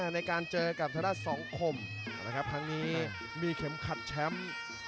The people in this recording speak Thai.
ในการเจอกับทางด้านสองคมนะครับครั้งนี้มีเข็มขัดแชมป์